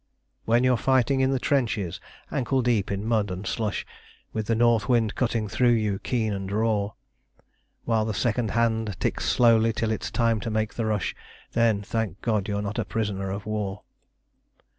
When you're fighting in the trenches ankle deep in mud and slush, With the north wind cutting through you keen and raw, While the second hand ticks slowly till it's time to make the rush, Then thank God you're not a prisoner of war.